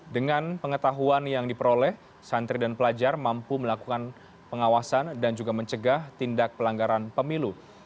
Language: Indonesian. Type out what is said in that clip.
dengan pengetahuan yang diperoleh santri dan pelajar mampu melakukan pengawasan dan juga mencegah tindak pelanggaran pemilu